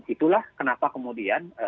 itulah kenapa kemudian